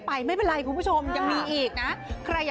เป็นทุกชาติ๑๘